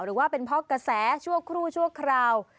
หรือว่าเป็นเพราะกระแสชั่วครู่ชั่วคราว